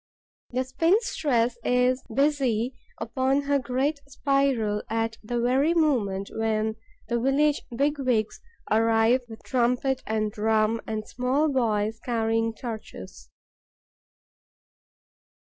The spinstress is busy upon her great spiral at the very moment when the village big wigs arrive with trumpet and drum and small boys carrying torches.